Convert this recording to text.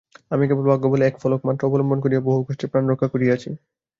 আমি কেবল ভাগ্যবলে একফলকমাত্র অবলম্বন করিয়া বহু কষ্টে প্রাণরক্ষা করিয়াছি।